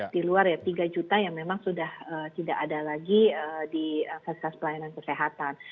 di luar ya tiga juta yang memang sudah tidak ada lagi di fasilitas pelayanan kesehatan